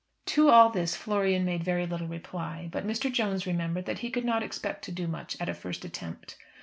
To all this Florian made very little reply; but Mr. Jones remembered that he could not expect to do much at a first attempt.